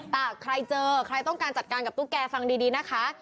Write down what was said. แต่ใครเจอใครต้องการจัดการกับตุ๊กแกฟังดีนะคะ